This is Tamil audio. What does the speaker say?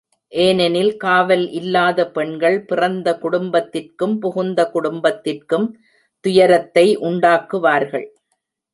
ஏனெனில் காவல் இல்லாத பெண்கள் பிறந்த குடும்பத்திற்கும் புகுந்த குடும்பத்திற்கும் துயரத்தை உண்டாக்குவார்கள்.